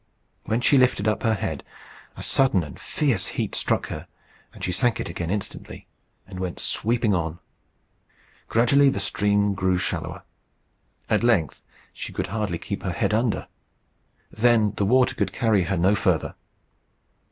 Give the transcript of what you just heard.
When she lifted up her head a sudden and fierce heat struck her, and she sank it again instantly, and went sweeping on. Gradually the stream grew shallower. At length she could hardly keep her head under. Then the water could carry her no farther.